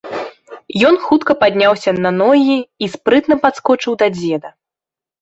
Ён хутка падняўся на ногі і спрытна падскочыў да дзеда.